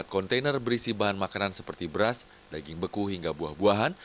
empat kontainer berisi bahan makanan seperti beras daging beku hingga buah buahan